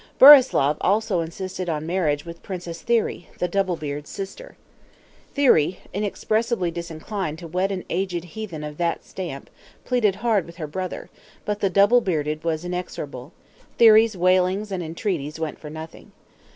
Burislav also insisted on marriage with Princess Thyri, the Double Beard's sister. Thyri, inexpressibly disinclined to wed an aged heathen of that stamp, pleaded hard with her brother; but the Double Bearded was inexorable; Thyri's wailings and entreaties went for nothing.